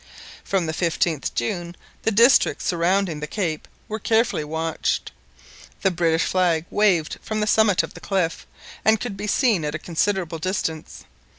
From the 15th June the districts surrounding the cape were carefully watched. The British flag waved from the summit of the cliff, and could be seen at a considerable distance.